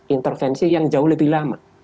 intervensi yang jauh lebih lama